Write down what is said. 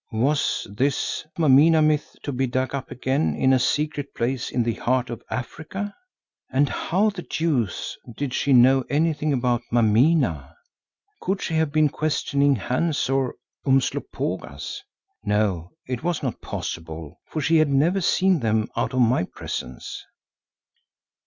Was this Mameena myth to be dug up again in a secret place in the heart of Africa? And how the deuce did she know anything about Mameena? Could she have been questioning Hans or Umslopogaas? No, it was not possible, for she had never seen them out of my presence.